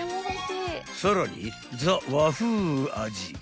［さらにザ・和風味